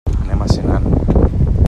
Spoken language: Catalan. Anem a Senan.